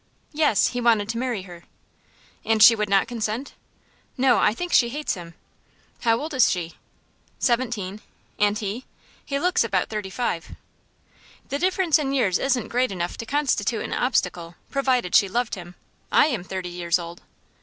"Yes; he wanted to marry her." "And she would not consent?" "No; I think she hates him." "How old is she?" "Seventeen." "And he?" "He looks about thirty five." "The difference in years isn't great enough to constitute an obstacle, provided she loved him. I am thirty years old."